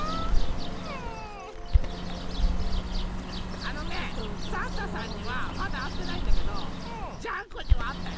あのねサンタさんにはまだあってないんだけどジャンコにはあったよ。